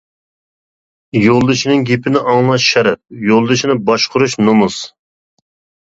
يولدىشىنىڭ گېپىنى ئاڭلاش شەرەپ، يولدىشىنى باشقۇرۇش نومۇس.